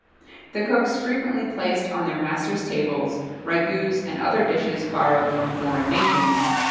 [XXII 32] The cooks frequently placed on their masters' tables ragoûts and other dishes borrowed from foreign nations.